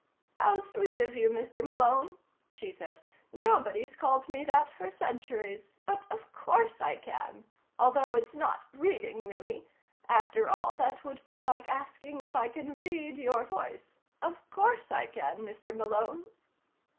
_ "How sweet of you, Mr. Malone," she said. "Nobody's called me that for centuries. But of course I can. Although it's not reading, really. After all, that would be like asking if I can read your voice. Of course I can, Mr. Malone."